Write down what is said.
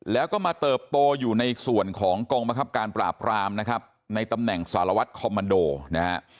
แล้วก็มาเติบโตอยู่ในส่วนของกองบังคับการปราบรามนะครับในตำแหน่งสารวัตรคอมมันโดนะฮะ